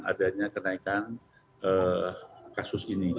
adanya kenaikan kasus ini